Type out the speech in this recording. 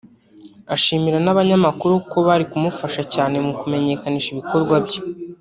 ashimira n'abanyamakuru ko bari kumufasha cyane mu kumenyekanisha ibikorwa bye